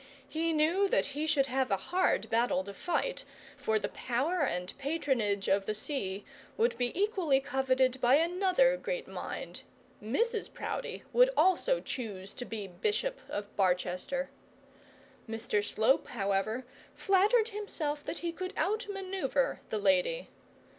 He knew that he should have a hard battle to fight, for the power and patronage of the see would be equally coveted by another great mind Mrs Proudie would also choose to be bishop of Barchester. Mr Slope, however, flattered himself that he could outmanoeuvre the lady.